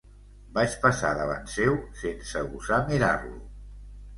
Vaig passar davant seu sense gosar mirar-lo.